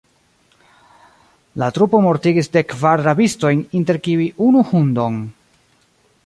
La trupo mortigis dek kvar rabistojn, inter kiuj unu hundon.